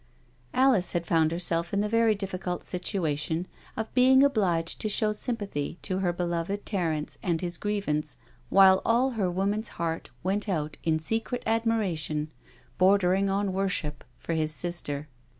Alice had found herself in the very difficult situation of being obliged to show sympathy to her beloved Terence and his grievance, while all her woman's heart went out in secret admiration, bordering on worship, for his sister.